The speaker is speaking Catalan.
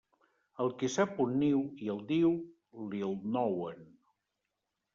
El qui sap un niu i el diu, li'l nouen.